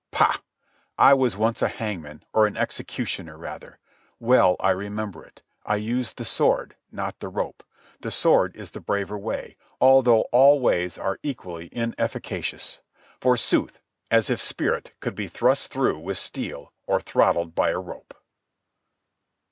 Pah! I was once a hangman, or an executioner, rather. Well I remember it! I used the sword, not the rope. The sword is the braver way, although all ways are equally inefficacious. Forsooth, as if spirit could be thrust through with steel or throttled by a rope!